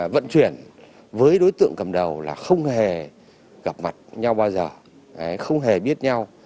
vận chuyển với đối tượng cầm đầu là không hề gặp mặt nhau bao giờ không hề biết nhau